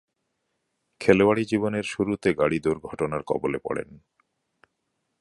খেলোয়াড়ী জীবনের শুরুতে গাড়ী দূর্ঘটনার কবলে পড়েন।